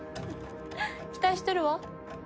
期待してるわ。